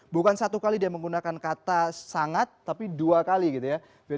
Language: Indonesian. bukan satu kali dia menggunakan kata sangat tapi dua kali gitu ya